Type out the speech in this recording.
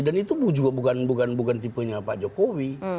dan itu juga bukan bukan tipenya pak jokowi